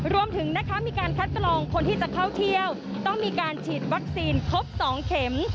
รวมถึงนะคะมีการคัดกรองคนที่จะเข้าเที่ยวต้องมีการฉีดวัคซีนครบ๒เข็ม